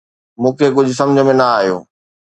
مون کي ڪجهه سمجهه ۾ نه آيو